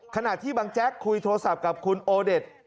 ขณะที่บางแจ๊กคุยโทรศัพท์กับคุณโอเด็ด